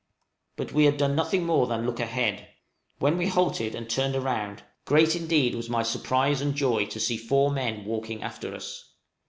} But we had done nothing more than look ahead; when we halted, and turned round, great indeed was my surprise and joy to see four men walking after us.